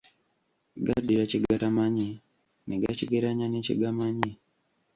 Gaddira kye gatamanyi ne gakigeranya ne kye gamanyi.